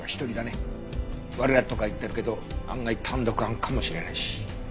「我ら」とか言ってるけど案外単独犯かもしれないし。